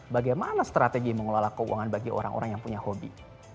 bagaimana strategi mengelola keuangan bagi orang orang yang punya hobi